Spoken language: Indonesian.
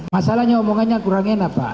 masalahnya omongannya kurang enak pak